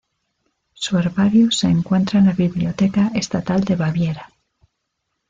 Su herbario se encuentra en la Biblioteca Estatal de Baviera.